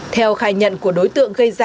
theo khai nhận của đối tượng gây ra vụ án